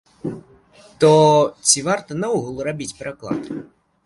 То ці варта наогул рабіць пераклад?